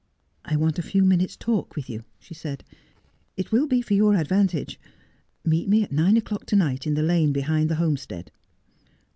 ' I want a few minutes' talk with you,' she said. ' It will be for your advantage. Meet me at nine o'clock to night, in the lane behind the Homestead.'